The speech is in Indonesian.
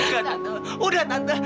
tante tante udah tante